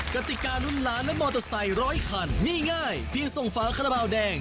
กติการุ่นล้านและมอเตอร์ไซค์ร้อยคันนี่ง่ายเพียงส่งฝาคาราบาลแดง